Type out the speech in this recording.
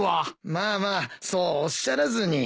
まあまあそうおっしゃらずに。